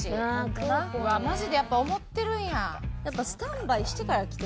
マジでやっぱ思ってるんや。